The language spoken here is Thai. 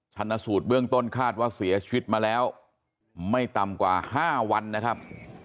ชนะสูตรเบื้องต้นคาดว่าเสียชีวิตมาแล้วไม่ต่ำกว่า๕วันนะครับ